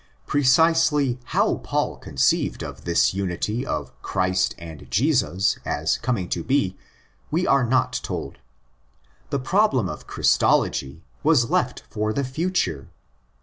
Precisely how Paul con ceived of this unity of Christ and Jesus as coming to be, we are not told. The problem of "" Christology " was left for the future.